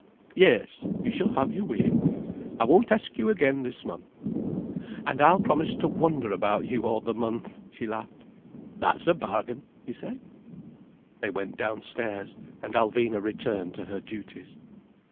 Yes, you shall have your way. I won't ask you again this month." "And I'll promise to wonder about you all the month," she laughed. "That's a bargain," he said. They went downstairs, and Alvina returned to her duties.